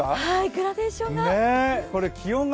グラデーションが。